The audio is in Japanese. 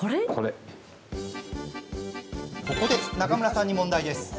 ここで、中村さんに問題です。